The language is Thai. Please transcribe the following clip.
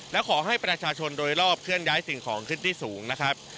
และขอให้ประชาชนโดยรอบเคลื่อนย้ายสิ่งของขึ้นที่สูงนะครับ